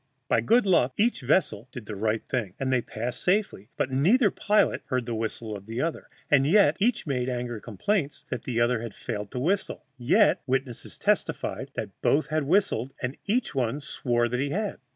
By good luck each vessel did the right thing, and they passed safely, but neither pilot heard the whistle of the other, and each made angry complaint that the other had failed to whistle: yet witnesses testified that both had whistled, and each one swore that he had.